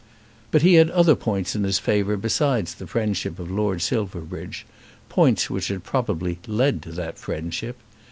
But he had other points in his favour besides the friendship of Lord Silverbridge, points which had probably led to that friendship.